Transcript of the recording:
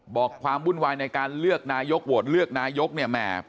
ความวุ่นวายในการเลือกนายกโหวตเลือกนายกเนี่ยแหม